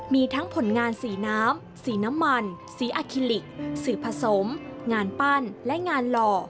มีทั้งผลงานสีน้ำสีน้ำมันสีอาคิลิกสื่อผสมงานปั้นและงานหล่อ